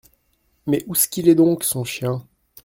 Mais ousqu’il est donc, son chien ?